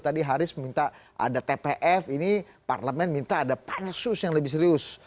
tadi haris meminta ada tpf ini parlemen minta ada pansus yang lebih serius